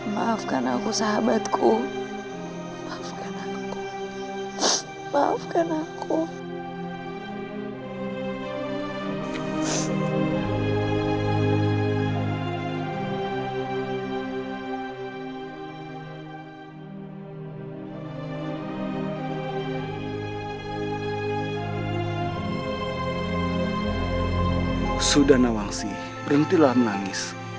kelak kita akan mengetahui arti semua ini